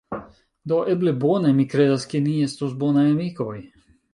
Do eble, bone, mi kredas ke ni estos bonaj amikoj